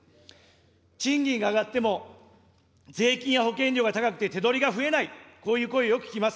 賃金が上がっても税金や保険料が高くて手取りが増えない、こういう声、よく聞きます。